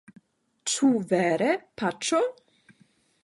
Ĉu vere, Paĉo?